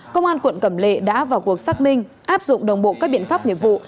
công an quận cẩm lệ đã vào cuộc xác minh áp dụng đồng bộ các biện pháp nghiệp vụ